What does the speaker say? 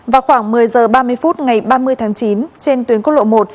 vào khoảng một mươi h ba mươi phút ngày ba mươi tháng chín trên tuyến quốc lộ một